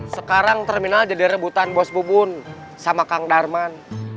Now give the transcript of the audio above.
sekarang terminal jadi rebutan bos bubun sama kang darman